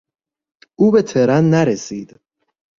او به ترن نرسید.